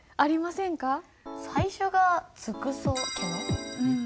最初が「つくそけの」？